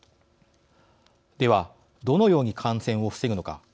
では、どのように感染を防ぐのか。